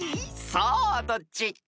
さあどっち］